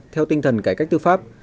theo tinh thần cải cách tư pháp